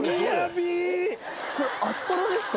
これアスパラですか？